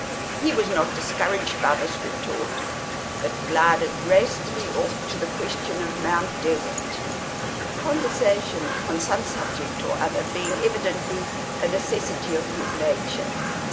He was not discouraged by this retort, but glided gracefully off to the question of Mount Desert; conversation on some subject or other being evidently a necessity of his nature.